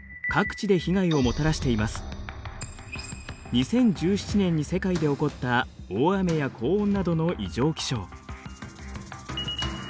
２０１７年に世界で起こった大雨や高温などの異常気象。